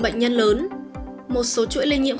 bệnh nhân lớn một số chuỗi lây nhiễm